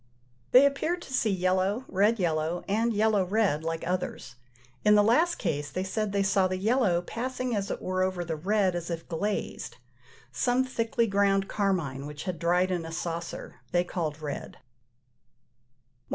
They appeared to see yellow, red yellow, and yellow red, like others: in the last case they said they saw the yellow passing as it were over the red as if glazed: some thickly ground carmine, which had dried in a saucer, they called red. 107.